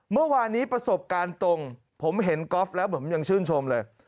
เมื่อวานนี้ประสบการณ์ตรงผมเห็นกอล์ฟแล้วผมยังชื่นชมเลย